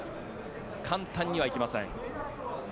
簡単にはいきません。